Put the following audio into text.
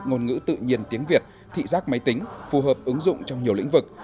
ngôn ngữ tự nhiên tiếng việt thị giác máy tính phù hợp ứng dụng trong nhiều lĩnh vực